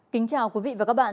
kính chào quý vị và các bạn